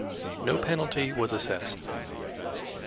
No penalty was assessed.